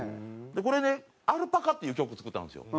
これね『アルパカ』っていう曲作ったんですよ。